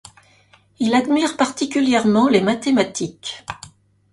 Il admire particulièrement les mathématiques.